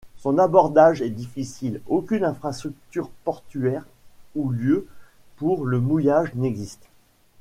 Son abordage est difficile, aucune infrastructure portuaire ou lieu pour le mouillage n'existe.